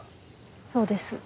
そうです。